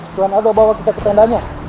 tuan adok bawa kita ke tendanya